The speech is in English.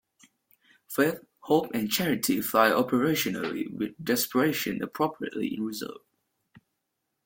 "Faith", "Hope" and "Charity" fly operationally, with "Desperation" appropriately in reserve.